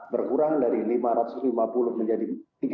berkurang dari lima ratus lima puluh menjadi tiga ratus